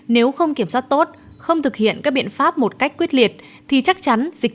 nếu không kiểm soát tốt không thực hiện các biện pháp một cách quyết liệt thì chắc chắn dịch